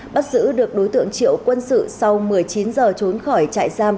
bắt giữ được đối tượng triệu quân sự sau một mươi chín giờ trốn khỏi trại giam